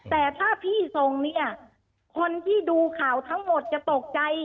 แต่ถ้าพี่ส่งเนี่ยคนที่ดูข่าวทั้งหมดจะตกใจ